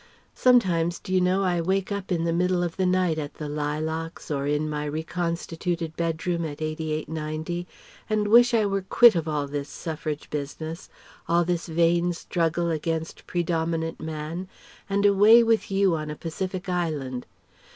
Sometimes, d'you know, I wake up in the middle of the night at the Lilacs or in my reconstituted bedroom at 88 90, and wish I were quit of all this Suffrage business, all this vain struggle against predominant man and away with you on a Pacific Island.